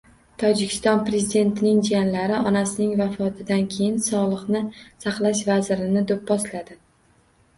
Tojikiston prezidentining jiyanlari onasining vafotidan keyin sog‘liqni saqlash vazirini do‘pposladi